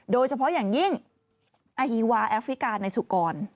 โดยเฉพาะอย่างยิ่งอาฮีวาแอฟริกาในสุกร